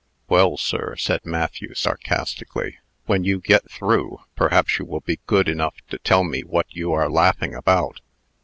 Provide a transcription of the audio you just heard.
"Well, sir," said Matthew, sarcastically, "when you get through, perhaps you will be good enough to tell me what you are laughing about?"